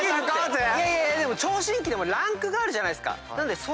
でも聴診器でもランクがあるじゃないですか。